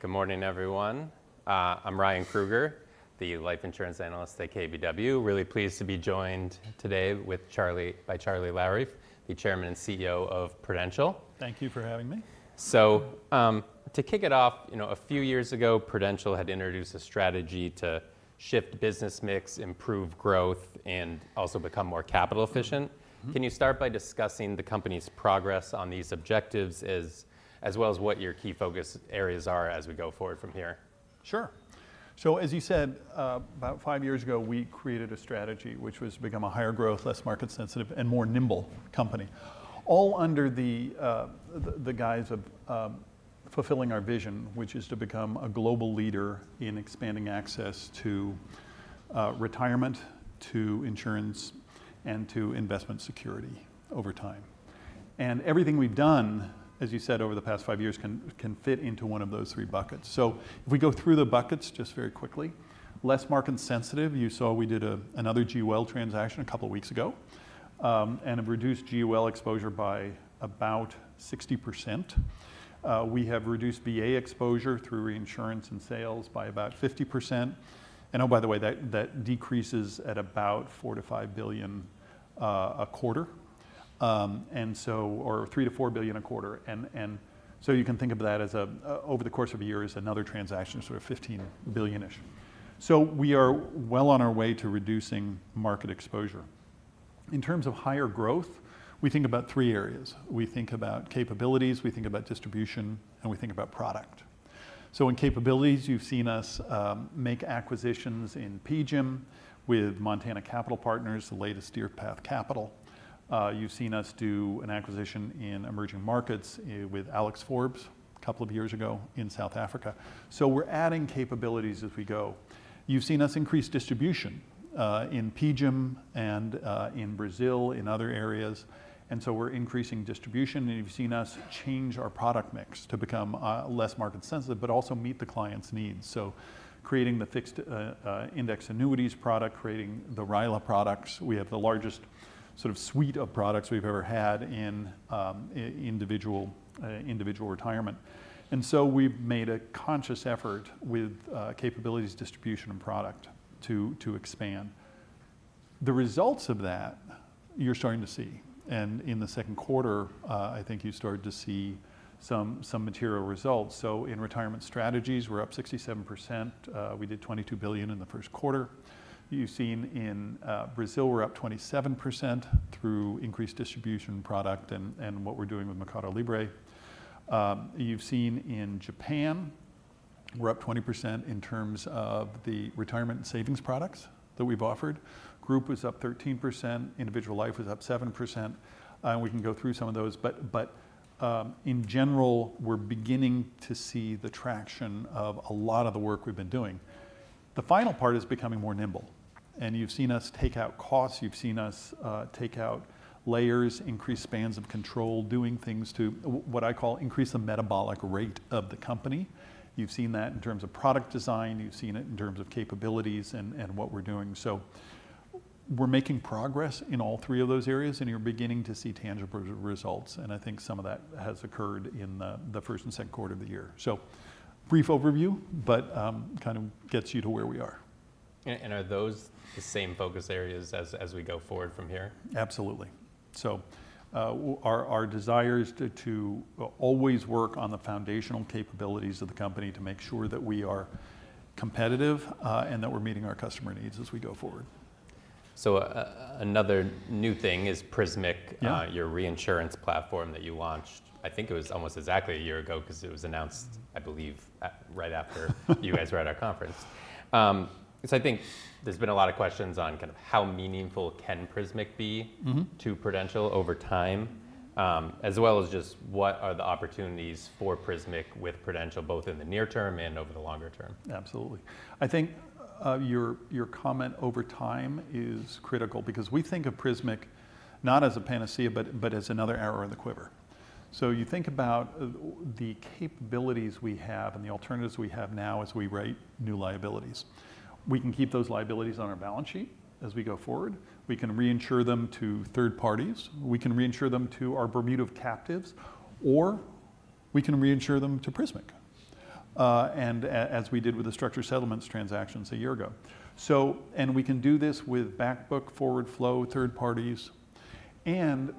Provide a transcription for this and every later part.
Good morning, everyone. I'm Ryan Krueger, the life insurance analyst at KBW. Really pleased to be joined today by Charlie Lowrey, the Chairman and CEO of Prudential. Thank you for having me. So, to kick it off, you know, a few years ago, Prudential had introduced a strategy to shift business mix, improve growth, and also become more capital efficient. Mm-hmm. Can you start by discussing the company's progress on these objectives as well as what your key focus areas are as we go forward from here? Sure. So as you said, about five years ago, we created a strategy which was to become a higher growth, less market sensitive, and more nimble company, all under the guise of fulfilling our vision, which is to become a global leader in expanding access to retirement, to insurance, and to investment security over time. And everything we've done, as you said, over the past five years, can fit into one of those three buckets. So if we go through the buckets just very quickly. Less market sensitive, you saw we did another GUL transaction a couple of weeks ago, and have reduced GUL exposure by about 60%. We have reduced VA exposure through reinsurance and sales by about 50%. And oh, by the way, that decreases at about $4 billion-$5 billion a quarter, or $3 billion-$4 billion a quarter, and so you can think of that as over the course of a year as another transaction, sort of $15 billion-ish. So we are well on our way to reducing market exposure. In terms of higher growth, we think about three areas. We think about capabilities, we think about distribution, and we think about product. So in capabilities, you've seen us make acquisitions in PGIM with Montana Capital Partners, the latest Deerpath Capital. You've seen us do an acquisition in emerging markets with Alexander Forbes a couple of years ago in South Africa. So we're adding capabilities as we go. You've seen us increase distribution in PGIM and in Brazil, in other areas, and so we're increasing distribution. And you've seen us change our product mix to become less market sensitive, but also meet the clients' needs. So creating the fixed index annuities product, creating the RILA products, we have the largest sort of suite of products we've ever had in individual retirement. And so we've made a conscious effort with capabilities, distribution, and product to expand. The results of that, you're starting to see, and in the second quarter, I think you started to see some material results. So in retirement strategies, we're up 67%. We did $22 billion in the first quarter. You've seen in Brazil, we're up 27% through increased distribution product and what we're doing with MercadoLibre. You've seen in Japan, we're up 20% in terms of the retirement and savings products that we've offered. Group is up 13%, individual life is up 7%, and we can go through some of those. But in general, we're beginning to see the traction of a lot of the work we've been doing. The final part is becoming more nimble, and you've seen us take out costs, you've seen us take out layers, increase spans of control, doing things to what I call increase the metabolic rate of the company. You've seen that in terms of product design, you've seen it in terms of capabilities and what we're doing. So we're making progress in all three of those areas, and you're beginning to see tangible results, and I think some of that has occurred in the first and second quarter of the year. So brief overview, but kind of gets you to where we are. Are those the same focus areas as we go forward from here? Absolutely. Our desire is to always work on the foundational capabilities of the company to make sure that we are competitive, and that we're meeting our customer needs as we go forward. Another new thing is Prismic- Yeah... your reinsurance platform that you launched, I think it was almost exactly a year ago, 'cause it was announced, I believe, right after you guys were at our conference. So I think there's been a lot of questions on kind of how meaningful can Prismic be- Mm-hmm -to Prudential over time, as well as just what are the opportunities for Prismic with Prudential, both in the near term and over the longer term? Absolutely. I think, your comment over time is critical because we think of Prismic not as a panacea, but as another arrow in the quiver, so you think about the capabilities we have and the alternatives we have now as we write new liabilities. We can keep those liabilities on our balance sheet as we go forward, we can reinsure them to third parties, we can reinsure them to our Bermuda captives, or we can reinsure them to Prismic, and as we did with the structured settlements transactions a year ago, so and we can do this with back book, forward flow, third parties, and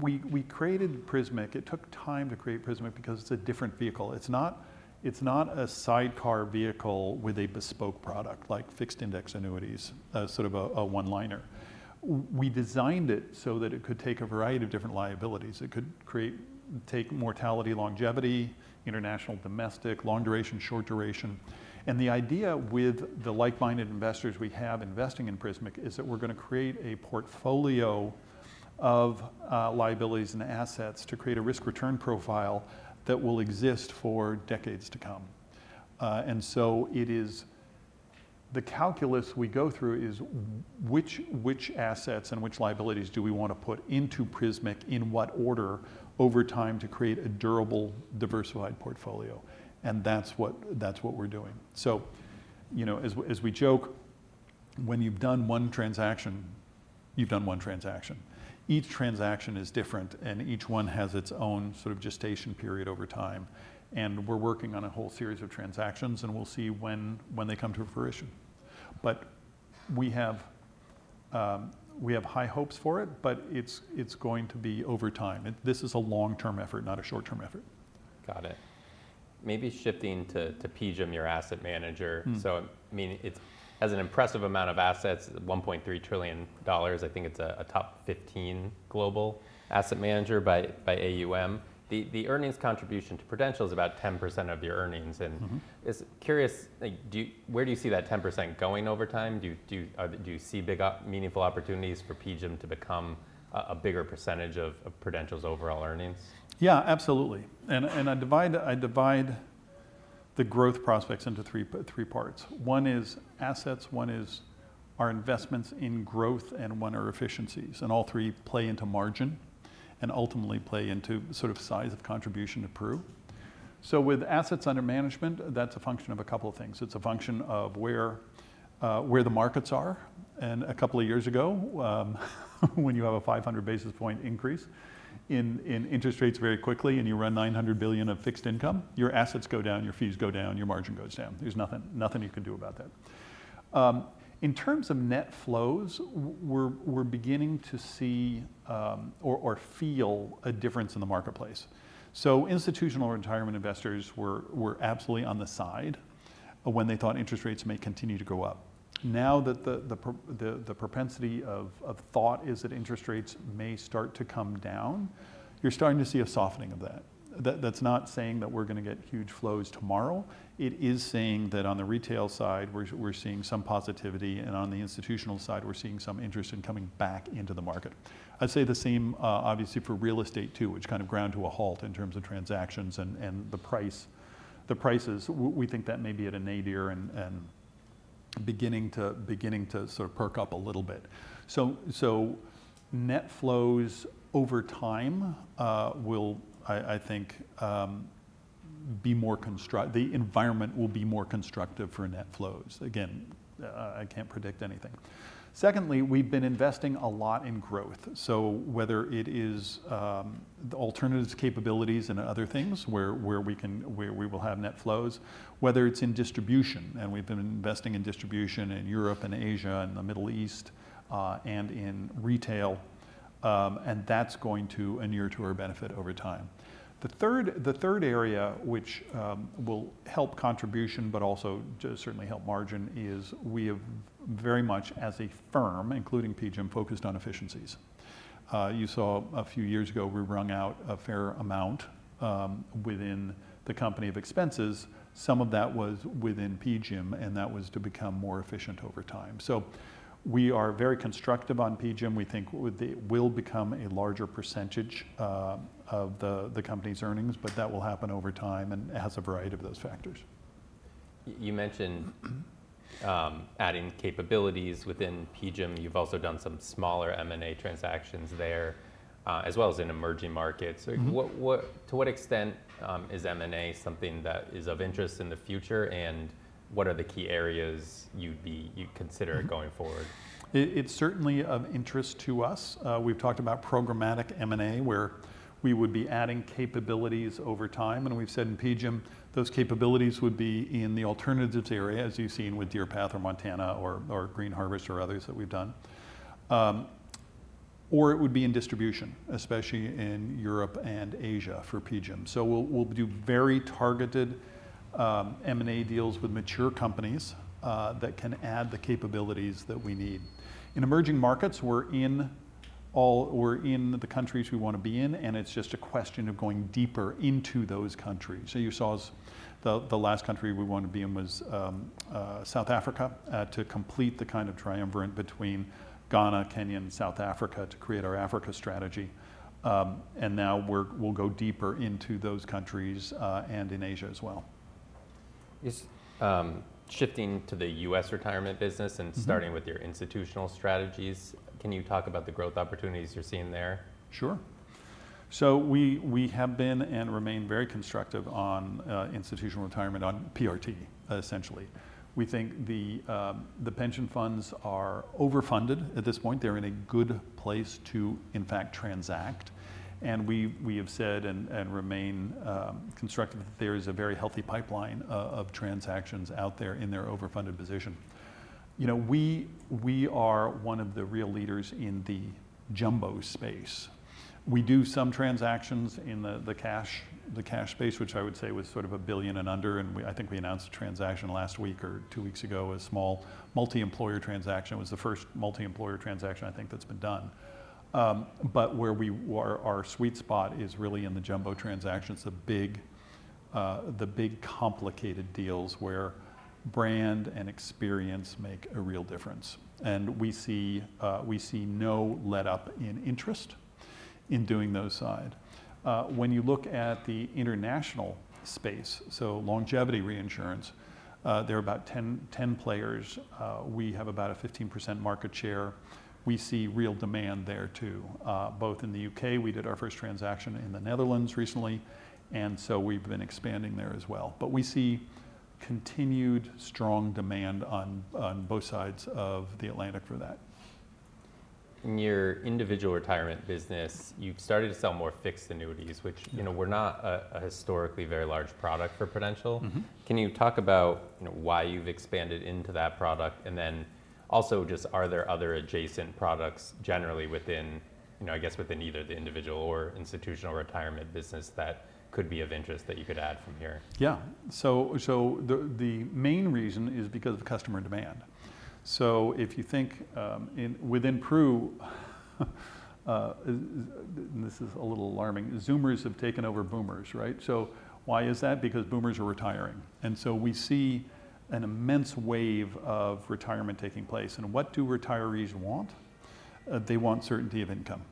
we created Prismic. It took time to create Prismic because it's a different vehicle. It's not a sidecar vehicle with a bespoke product like fixed index annuities, sort of a one-liner. We designed it so that it could take a variety of different liabilities. It could take mortality, longevity, international, domestic, long duration, short duration, and the idea with the like-minded investors we have investing in Prismic is that we're gonna create a portfolio of liabilities and assets to create a risk-return profile that will exist for decades to come. It is the calculus we go through, which assets and which liabilities do we want to put into Prismic, in what order over time to create a durable, diversified portfolio. That's what we're doing. You know, as we joke, when you've done one transaction, you've done one transaction. Each transaction is different, and each one has its own sort of gestation period over time, and we're working on a whole series of transactions, and we'll see when they come to fruition. But we have high hopes for it, but it's going to be over time. This is a long-term effort, not a short-term effort. Got it. Maybe shifting to PGIM, your asset manager. Mm. I mean, it has an impressive amount of assets, $1.3 trillion. I think it's a top 15 global asset manager by AUM. The earnings contribution to Prudential is about 10% of the earnings, and- Mm-hmm. Just curious, like, where do you see that 10% going over time? Do you see meaningful opportunities for PGIM to become a bigger percentage of Prudential's overall earnings? Yeah, absolutely. And I divide the growth prospects into three parts. One is assets, one is our investments in growth, and one are efficiencies, and all three play into margin and ultimately play into sort of size of contribution to Pru. So with assets under management, that's a function of a couple of things. It's a function of where the markets are. And a couple of years ago, when you have a 500 basis point increase in interest rates very quickly and you run $900 billion of fixed income, your assets go down, your fees go down, your margin goes down. There's nothing you can do about that. In terms of net flows, we're beginning to see or feel a difference in the marketplace. So institutional retirement investors were absolutely on the side when they thought interest rates may continue to go up. Now that the propensity of thought is that interest rates may start to come down, you're starting to see a softening of that. That's not saying that we're gonna get huge flows tomorrow. It is saying that on the retail side, we're seeing some positivity, and on the institutional side, we're seeing some interest in coming back into the market. I'd say the same, obviously, for real estate too, which kind of ground to a halt in terms of transactions and the prices. We think that may be at a nadir and beginning to sort of perk up a little bit. So net flows over time will, I think, be more construct... The environment will be more constructive for net flows. Again, I can't predict anything. Secondly, we've been investing a lot in growth. So whether it is the alternatives capabilities and other things where we will have net flows, whether it's in distribution, and we've been investing in distribution in Europe and Asia and the Middle East, and in retail, and that's going to inure to our benefit over time. The third area which will help contribution, but also certainly help margin, is we have very much as a firm, including PGIM, focused on efficiencies. You saw a few years ago, we wrung out a fair amount within the company of expenses. Some of that was within PGIM, and that was to become more efficient over time, so we are very constructive on PGIM. We think they will become a larger percentage of the company's earnings, but that will happen over time and has a variety of those factors. You mentioned adding capabilities within PGIM. You've also done some smaller M&A transactions there, as well as in emerging markets. Mm-hmm. So what to what extent is M&A something that is of interest in the future, and what are the key areas you'd consider going forward? It's certainly of interest to us. We've talked about programmatic M&A, where we would be adding capabilities over time, and we've said in PGIM, those capabilities would be in the alternatives area, as you've seen with Deerpath or Montana or Green Harvest, or others that we've done. Or it would be in distribution, especially in Europe and Asia, for PGIM. So we'll do very targeted M&A deals with mature companies that can add the capabilities that we need. In emerging markets, we're in the countries we want to be in, and it's just a question of going deeper into those countries. So you saw us, the last country we wanted to be in was South Africa to complete the kind of triumvirate between Ghana, Kenya and South Africa to create our Africa strategy. And now we'll go deeper into those countries, and in Asia as well. Just, shifting to the U.S. retirement business- Mm-hmm. And starting with your institutional strategies, can you talk about the growth opportunities you're seeing there? Sure. So we have been and remain very constructive on institutional retirement, on PRT, essentially. We think the pension funds are overfunded at this point. They're in a good place to, in fact, transact. And we have said and remain constructive that there is a very healthy pipeline of transactions out there in their overfunded position. You know, we are one of the real leaders in the jumbo space. We do some transactions in the cash balance space, which I would say was sort of $1 billion and under, and, I think we announced a transaction last week or two weeks ago, a small multi-employer transaction. It was the first multi-employer transaction I think that's been done. But where our sweet spot is really in the jumbo transactions, the big, complicated deals where brand and experience make a real difference. And we see no letup in interest in doing those sidecars. When you look at the international space, so longevity reinsurance, there are about 10 players. We have about 15% market share. We see real demand there, too. Both in the U.K., we did our first transaction in the Netherlands recently, and so we've been expanding there as well. But we see continued strong demand on both sides of the Atlantic for that.... in your individual retirement business, you've started to sell more fixed annuities, which, you know, were not a historically very large product for Prudential. Mm-hmm. Can you talk about, you know, why you've expanded into that product? And then also, just, are there other adjacent products generally within, you know, I guess, within either the individual or institutional retirement business that could be of interest that you could add from here? Yeah. The main reason is because of customer demand. If you think within Pru, and this is a little alarming, Zoomers have taken over Boomers, right? So why is that? Because Boomers are retiring, and so we see an immense wave of retirement taking place. And what do retirees want? They want certainty of income.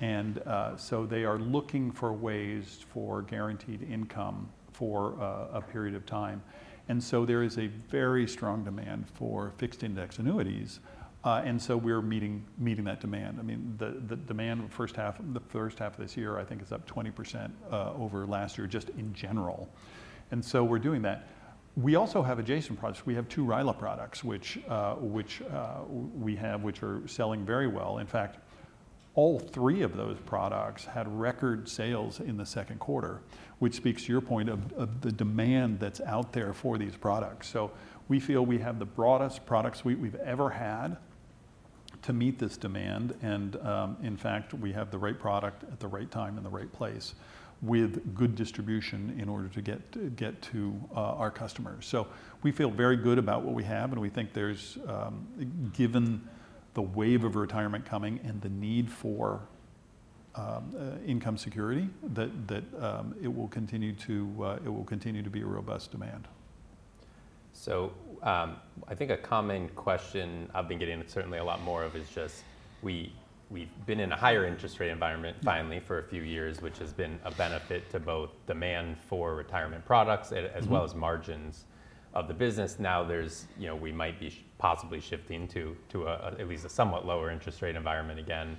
And so they are looking for ways for guaranteed income for a period of time. And so there is a very strong demand for fixed index annuities. And so we're meeting that demand. I mean, the demand in the first half of this year, I think is up 20% over last year, just in general. And so we're doing that. We also have adjacent products. We have two RILA products which are selling very well. In fact, all three of those products had record sales in the second quarter, which speaks to your point of the demand that's out there for these products. So we feel we have the broadest product suite we've ever had to meet this demand, and in fact, we have the right product at the right time and the right place, with good distribution in order to get to our customers. So we feel very good about what we have, and we think, given the wave of retirement coming and the need for income security, that it will continue to be a robust demand. I think a common question I've been getting, and certainly a lot more of, is just we've been in a higher interest rate environment finally for a few years, which has been a benefit to both demand for retirement products- Mm-hmm... as well as margins of the business. Now, there's, you know, we might be possibly shifting to a, at least a somewhat lower interest rate environment again.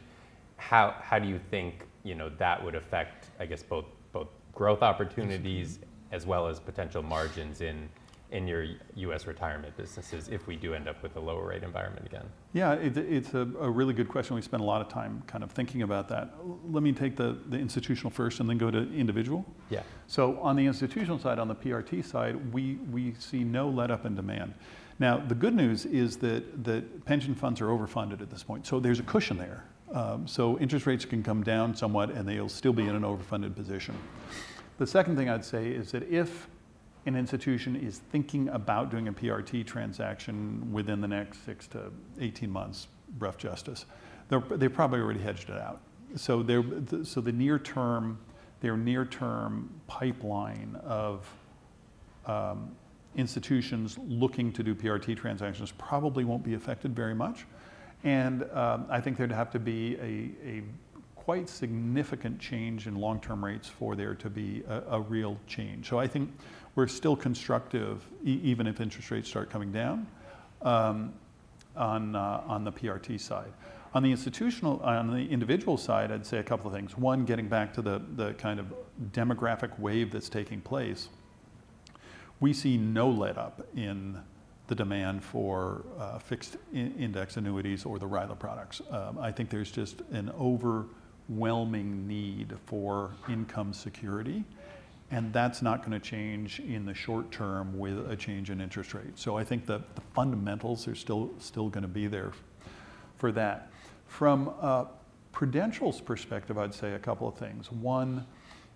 How do you think, you know, that would affect, I guess, both growth opportunities- Mm-hmm... as well as potential margins in your U.S. retirement businesses if we do end up with a lower rate environment again? Yeah, it's a really good question. We spend a lot of time kind of thinking about that. Let me take the institutional first and then go to individual. Yeah. So on the institutional side, on the PRT side, we see no letup in demand. Now, the good news is that the pension funds are overfunded at this point, so there's a cushion there. So interest rates can come down somewhat, and they'll still be in an overfunded position. The second thing I'd say is that if an institution is thinking about doing a PRT transaction within the next six to eighteen months, rough justice, they're they probably already hedged it out. So they're so the near term, their near-term pipeline of institutions looking to do PRT transactions probably won't be affected very much, and I think there'd have to be a quite significant change in long-term rates for there to be a real change. So I think we're still constructive even if interest rates start coming down, on the PRT side. On the institutional on the individual side, I'd say a couple of things. One, getting back to the kind of demographic wave that's taking place, we see no letup in the demand for fixed index annuities or the RILA products. I think there's just an overwhelming need for income security, and that's not gonna change in the short term with a change in interest rates. So I think that the fundamentals are still gonna be there for that. From a Prudential's perspective, I'd say a couple of things. One,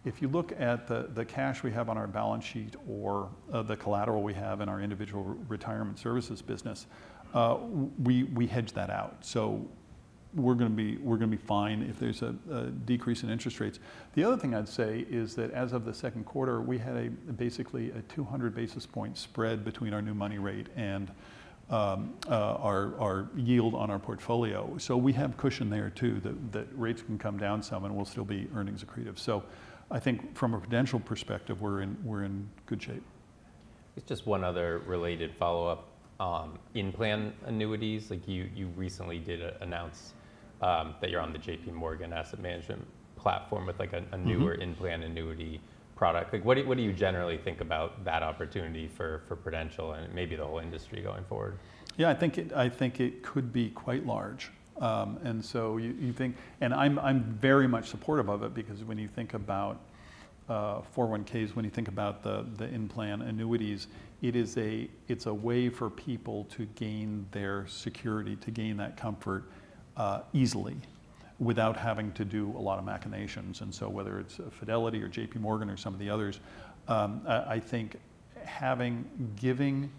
if you look at the cash we have on our balance sheet or the collateral we have in our individual retirement services business, we hedge that out. So we're gonna be fine if there's a decrease in interest rates. The other thing I'd say is that, as of the second quarter, we had basically a 200 basis point spread between our new money rate and our yield on our portfolio. So we have cushion there too, that rates can come down some, and we'll still be earnings accretive. So I think from a Prudential perspective, we're in good shape. Just one other related follow-up, in-plan annuities, like you recently did a announce that you're on the JPMorgan Asset Management platform with, like, a newer- Mm-hmm... in-plan annuity product. Like, what do you generally think about that opportunity for Prudential and maybe the whole industry going forward? Yeah, I think it, I think it could be quite large. And so you, you think... And I'm, I'm very much supportive of it because when you think about 401(k)s, when you think about the in-plan annuities, it's a way for people to gain their security, to gain that comfort easily without having to do a lot of machinations. And so whether it's Fidelity or JPMorgan or some of the others, I think having, giving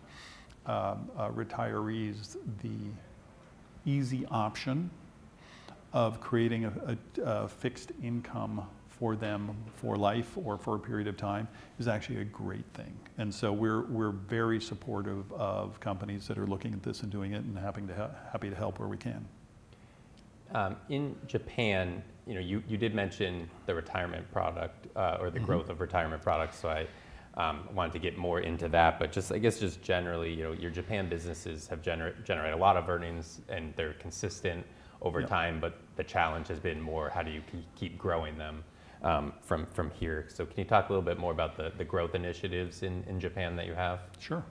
retirees the easy option of creating a fixed income for them for life or for a period of time is actually a great thing. And so we're, we're very supportive of companies that are looking at this and doing it, and happy to help where we can. In Japan, you know, you did mention the retirement product, Mm-hmm... or the growth of retirement products, so I wanted to get more into that. But just, I guess, just generally, you know, your Japan businesses have generated a lot of earnings, and they're consistent over time. Yeah. But the challenge has been more, how do you keep growing them from here? So can you talk a little bit more about the growth initiatives in Japan that you have? Sure.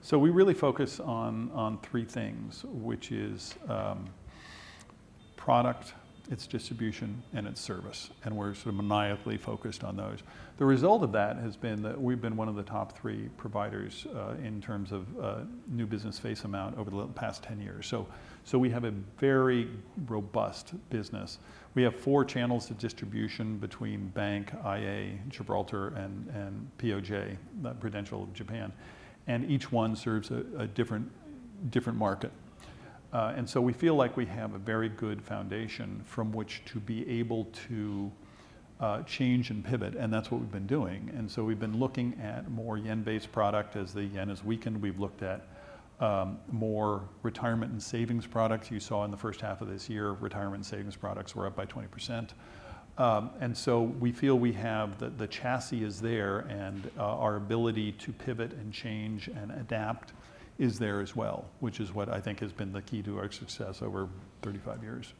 So we really focus on three things, which is product, its distribution, and its service, and we're sort of maniacally focused on those. The result of that has been that we've been one of the top three providers in terms of new business face amount over the past ten years. So we have a very robust business. We have four channels of distribution between bank, IA, Gibraltar, and POJ, Prudential of Japan, and each one serves a different market. And so we feel like we have a very good foundation from which to be able to change and pivot, and that's what we've been doing. And so we've been looking at more yen-based product. As the yen has weakened, we've looked at more retirement and savings products. You saw in the first half of this year, retirement and savings products were up by 20%, and so we feel we have the chassis is there, and our ability to pivot and change and adapt is there as well, which is what I think has been the key to our success over 35 years.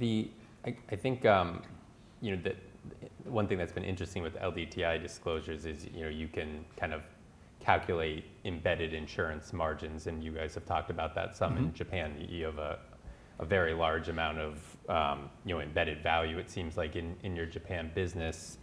I think, you know, one thing that's been interesting with LDTI disclosures is, you know, you can kind of calculate embedded insurance margins, and you guys have talked about that some- Mm-hmm. in Japan. You have a very large amount of, you know, Embedded Value, it seems like in your Japan business,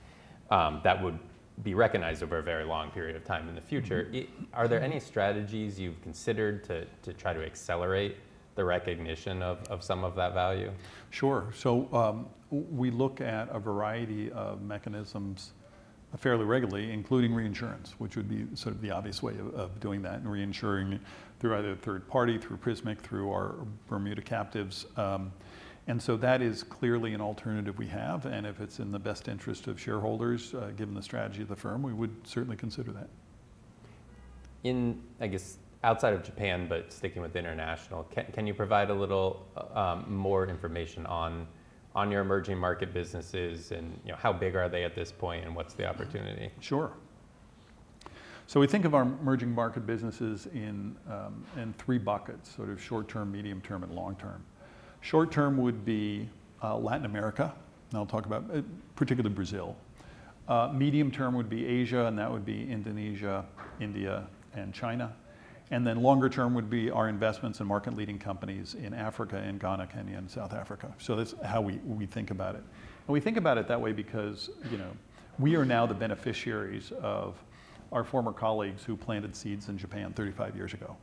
that would be recognized over a very long period of time in the future. Mm-hmm. Are there any strategies you've considered to try to accelerate the recognition of some of that value? Sure. So, we look at a variety of mechanisms fairly regularly, including reinsurance, which would be sort of the obvious way of doing that, and reinsuring through either a third party, through Prismic, through our Bermuda captives. And so that is clearly an alternative we have, and if it's in the best interest of shareholders, given the strategy of the firm, we would certainly consider that. In, I guess, outside of Japan, but sticking with international, can you provide a little more information on your emerging market businesses and, you know, how big are they at this point, and what's the opportunity? Sure. So we think of our emerging market businesses in three buckets: sort of short term, medium term, and long term. Short term would be Latin America, and I'll talk about particularly Brazil. Medium term would be Asia, and that would be Indonesia, India, and China, and then longer term would be our investments in market-leading companies in Africa, in Ghana, Kenya, and South Africa, so that's how we think about it, and we think about it that way because, you know, we are now the beneficiaries of our former colleagues who planted seeds in Japan thirty-five years ago,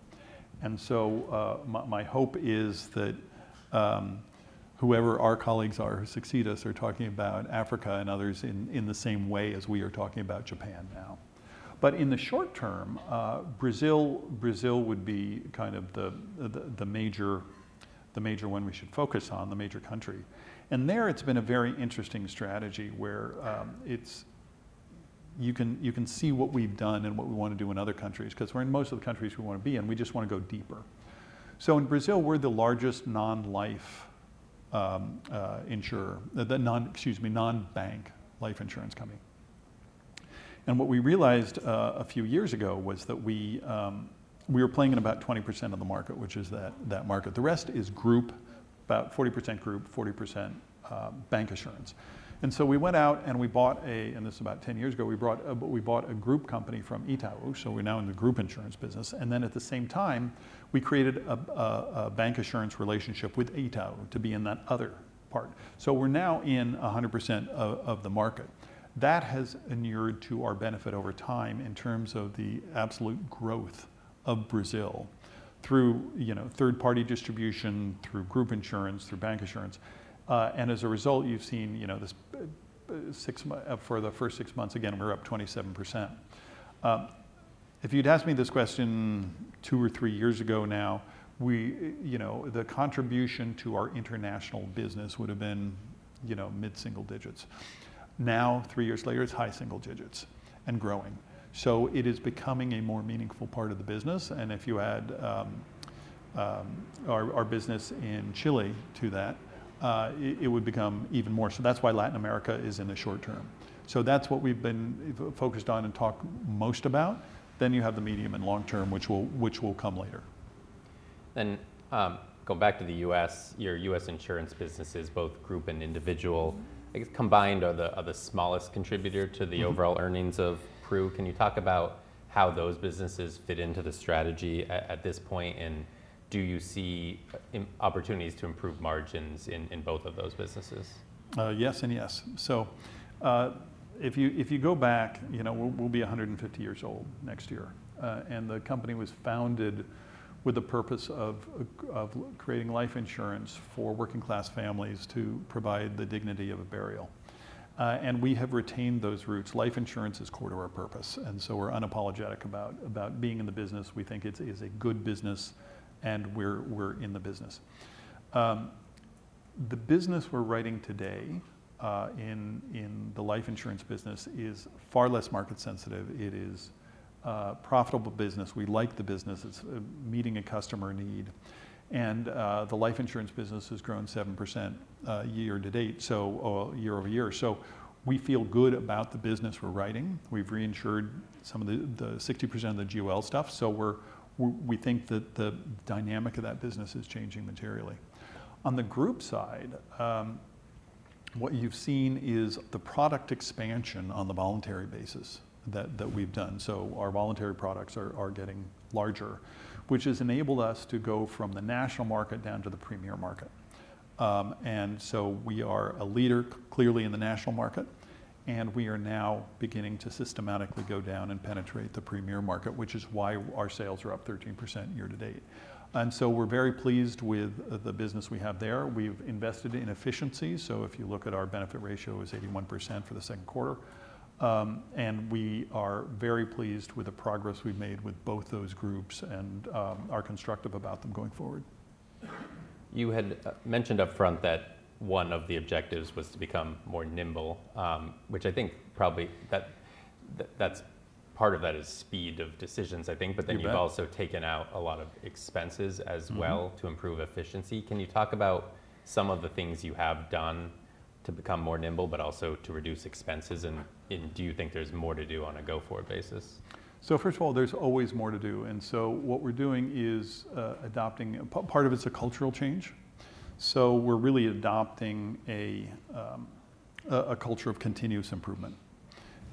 and so my hope is that whoever our colleagues are, who succeed us, are talking about Africa and others in the same way as we are talking about Japan now. But in the short term, Brazil would be kind of the major one we should focus on, the major country. And there, it's been a very interesting strategy where you can see what we've done and what we want to do in other countries, 'cause we're in most of the countries we wanna be in, we just wanna go deeper. So in Brazil, we're the largest non-life insurer. The non-bank life insurance company. And what we realized a few years ago was that we were playing in about 20% of the market, which is that market. The rest is group, about 40% group, 40% bank insurance. And so we went out, and we bought a... And this is about ten years ago, we bought a group company from Itaú, so we're now in the group insurance business. And then at the same time, we created a bank insurance relationship with Itaú to be in that other part. So we're now in 100% of the market. That has inured to our benefit over time in terms of the absolute growth of Brazil through, you know, third-party distribution, through group insurance, through bank insurance. And as a result, you've seen, you know, this for the first six months, again, we're up 27%. If you'd asked me this question two or three years ago now, we, you know, the contribution to our international business would have been, you know, mid-single digits. Now, three years later, it's high single digits and growing. So it is becoming a more meaningful part of the business, and if you add our business in Chile to that, it would become even more. So that's why Latin America is in the short term. So that's what we've been focused on and talk most about. Then you have the medium and long term, which will come later. Then, going back to the U.S., your U.S. insurance businesses, both group and individual, I guess, combined, are the smallest contributor to the overall earnings of Pru. Can you talk about how those businesses fit into the strategy at this point, and do you see any opportunities to improve margins in both of those businesses? Yes and yes. So, if you go back, you know, we'll be a hundred and fifty years old next year, and the company was founded with the purpose of creating life insurance for working-class families to provide the dignity of a burial. And we have retained those roots. Life insurance is core to our purpose, and so we're unapologetic about being in the business. We think it's a good business, and we're in the business. The business we're writing today in the life insurance business is far less market sensitive. It is a profitable business. We like the business. It's meeting a customer need. And the life insurance business has grown 7% year to date, so year-over-year. So we feel good about the business we're writing. We've reinsured some of the sixty percent of the GUL stuff, so we think that the dynamic of that business is changing materially. On the group side, what you've seen is the product expansion on the voluntary basis that we've done. So our voluntary products are getting larger, which has enabled us to go from the national market down to the premier market. And so we are a leader clearly in the national market, and we are now beginning to systematically go down and penetrate the premier market, which is why our sales are up 13% year to date. And so we're very pleased with the business we have there. We've invested in efficiency, so if you look at our benefit ratio is 81% for the second quarter. And we are very pleased with the progress we've made with both those groups and are constructive about them going forward. You had mentioned upfront that one of the objectives was to become more nimble, which I think probably that's part of that is speed of decisions, I think. You bet. But then you've also taken out a lot of expenses as well- Mm-hmm... to improve efficiency. Can you talk about some of the things you have done to become more nimble, but also to reduce expenses? And do you think there's more to do on a go-forward basis? So first of all, there's always more to do, and so what we're doing is adopting part of it's a cultural change. We're really adopting a culture of continuous improvement.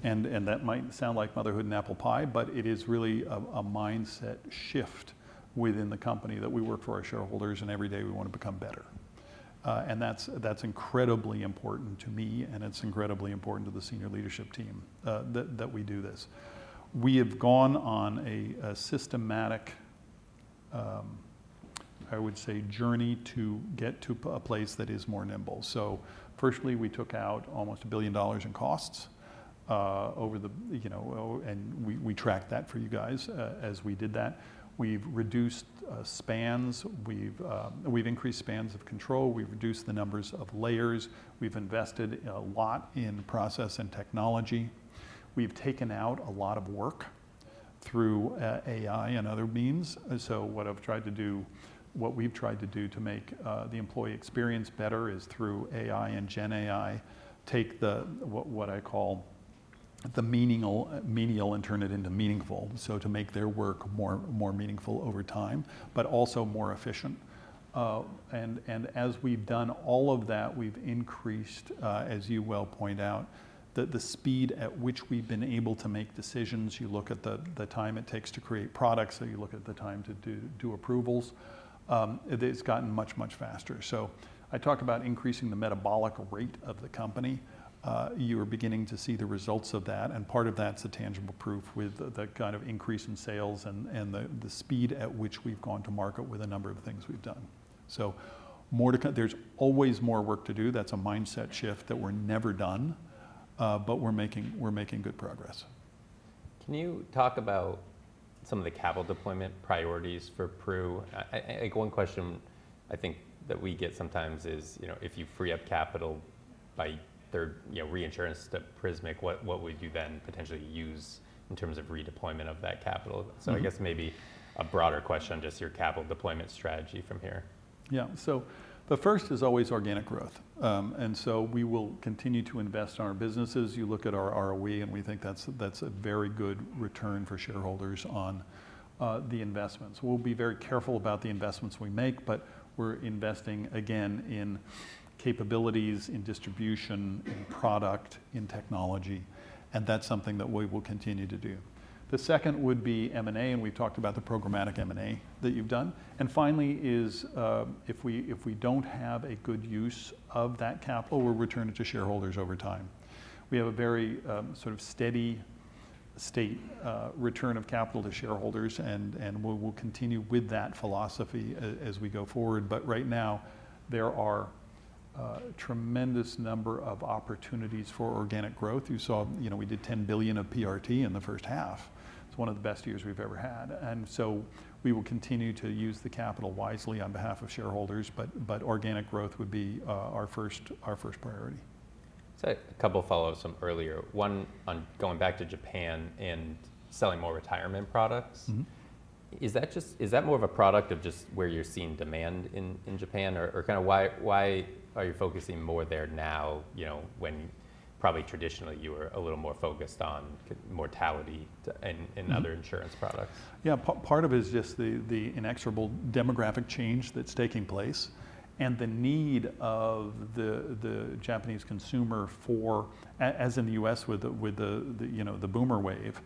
And that might sound like motherhood and apple pie, but it is really a mindset shift within the company that we work for our shareholders, and every day we want to become better. And that's incredibly important to me, and it's incredibly important to the senior leadership team that we do this. We have gone on a systematic journey to get to a place that is more nimble. Firstly, we took out almost $1 billion in costs over the, you know. And we tracked that for you guys as we did that. We've reduced spans, we've increased spans of control, we've reduced the numbers of layers, we've invested a lot in process and technology. We've taken out a lot of work through AI and other means, so what I've tried to do, what we've tried to do to make the employee experience better is through AI and GenAI, take what I call the menial and turn it into meaningful, so to make their work more meaningful over time, but also more efficient, and as we've done all of that, we've increased, as you well point out, the speed at which we've been able to make decisions. You look at the time it takes to create products, or you look at the time to do approvals, it's gotten much faster. So I talked about increasing the metabolic rate of the company. You are beginning to see the results of that, and part of that's the tangible proof with the kind of increase in sales and the speed at which we've gone to market with a number of things we've done. There's always more work to do. That's a mindset shift that we're never done, but we're making good progress. Can you talk about some of the capital deployment priorities for Pru? I think one question that we get sometimes is, you know, if you free up capital by third-party, you know, reinsurance to Prismic, what would you then potentially use in terms of redeployment of that capital? Mm-hmm. So I guess maybe a broader question, just your capital deployment strategy from here? Yeah. So the first is always organic growth. And so we will continue to invest in our businesses. You look at our ROE, and we think that's a very good return for shareholders on the investments. We'll be very careful about the investments we make, but we're investing again in capabilities, in distribution, in product, in technology, and that's something that we will continue to do. The second would be M&A, and we've talked about the programmatic M&A that you've done. And finally, is if we don't have a good use of that capital, we'll return it to shareholders over time. We have a very sort of steady state return of capital to shareholders, and we'll continue with that philosophy as we go forward. But right now, there are tremendous number of opportunities for organic growth. You saw, you know, we did $10 billion of PRT in the first half. It's one of the best years we've ever had. And so we will continue to use the capital wisely on behalf of shareholders, but organic growth would be our first priority. So a couple of follow-ups from earlier. One, on going back to Japan and selling more retirement products. Mm-hmm. Is that just a product of just where you're seeing demand in Japan? Or kinda why are you focusing more there now, you know, when probably traditionally you were a little more focused on mortality and- Mm-hmm... other insurance products? Yeah, part of it is just the inexorable demographic change that's taking place and the need of the Japanese consumer for as in the U.S., with the you know the boomer wave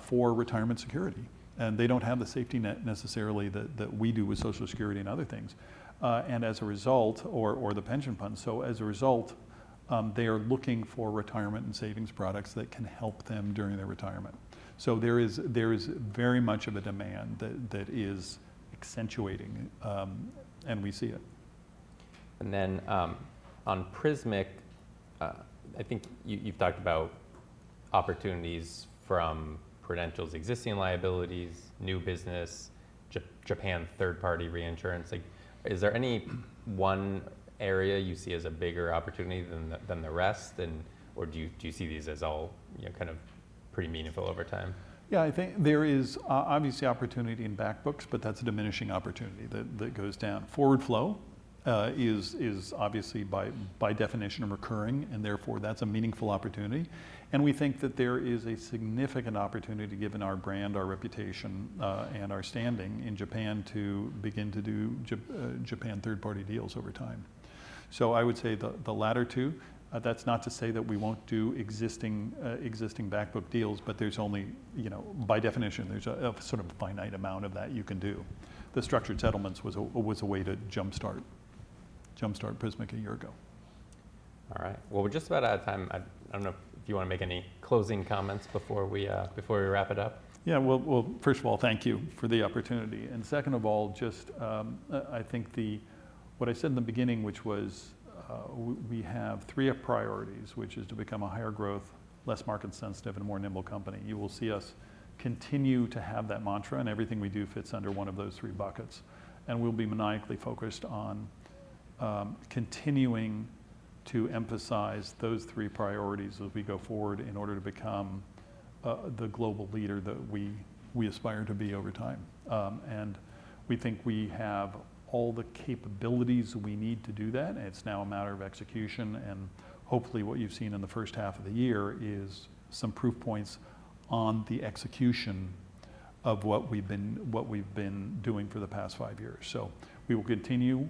for retirement security. And they don't have the safety net necessarily that we do with Social Security and other things. And as a result or the pension funds. So as a result, they are looking for retirement and savings products that can help them during their retirement. There is very much of a demand that is accentuating, and we see it. And then, on Prismic, I think you, you've talked about opportunities from Prudential's existing liabilities, new business, Japan third-party reinsurance. Like, is there any one area you see as a bigger opportunity than the rest, and, or do you see these as all, you know, kind of pretty meaningful over time? Yeah, I think there is obviously opportunity in back books, but that's a diminishing opportunity that goes down. Forward flow is obviously by definition recurring, and therefore, that's a meaningful opportunity. And we think that there is a significant opportunity, given our brand, our reputation, and our standing in Japan, to begin to do Japan third-party deals over time. So I would say the latter two. That's not to say that we won't do existing back book deals, but there's only, you know, by definition, there's a sort of finite amount of that you can do. The structured settlements was a way to jumpstart Prismic a year ago. All right. We're just about out of time. I don't know if you wanna make any closing comments before we wrap it up. Yeah. Well, first of all, thank you for the opportunity. And second of all, just, I think what I said in the beginning, which was, we have three priorities, which is to become a higher growth, less market sensitive, and more nimble company. You will see us continue to have that mantra, and everything we do fits under one of those three buckets. And we'll be maniacally focused on continuing to emphasize those three priorities as we go forward in order to become the global leader that we aspire to be over time. And we think we have all the capabilities we need to do that. It's now a matter of execution, and hopefully, what you've seen in the first half of the year is some proof points on the execution of what we've been doing for the past five years, so we will continue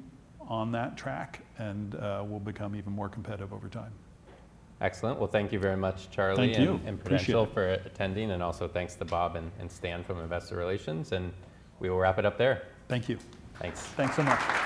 on that track, and we'll become even more competitive over time. Excellent. Well, thank you very much, Charlie- Thank you... and Prudential- Appreciate it for attending, and also thanks to Bob and Stan from Investor Relations, and we will wrap it up there. Thank you. Thanks. Thanks so much.